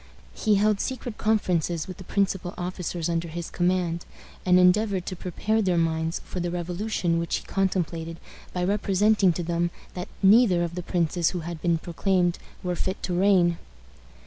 He held secret conferences with the principal officers under his command, and endeavored to prepare their minds for the revolution which he contemplated by representing to them that neither of the princes who had been proclaimed were fit to reign.